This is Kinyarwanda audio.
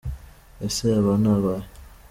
Ese aba ni abahe?